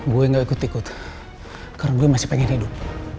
gue gak ikut ikutan karena gue masih pengen hidup